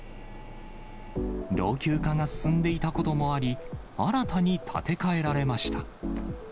老朽化が進んでいたこともあり、新たに建て替えられました。